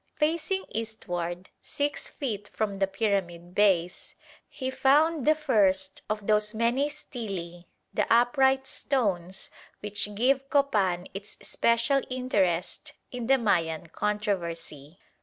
Facing eastward, 6 feet from the pyramid base, he found the first of those many stelae, the upright stones which give Copan its special interest in the Mayan controversy.